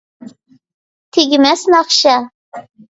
تۈگىمەس ناخشا